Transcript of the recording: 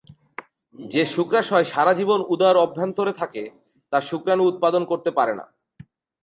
যে শুক্রাশয় সারা জীবন উদর অভ্যন্তরে থাকে তা শুক্রাণু উৎপাদন করতে পারে না।